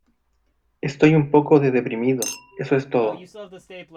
Estoy un poco de deprimido, eso es todo.